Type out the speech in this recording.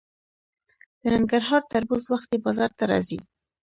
د ننګرهار تربوز وختي بازار ته راځي.